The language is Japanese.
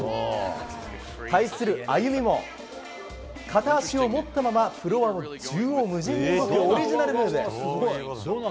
対するあゆみも片足を持ったままフロアを縦横無尽に動くオリジナルムーブ。